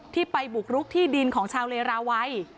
ที่ไปบุกรุกที่ดินของชาวเลราวัย